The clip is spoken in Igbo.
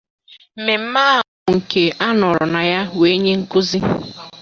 Mmemme ahụ bụ nke a nọrọ na ya wee nye nkụzi